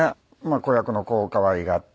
子役の子を可愛がって。